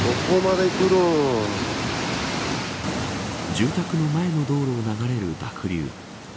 住宅の前の道路を流れる濁流。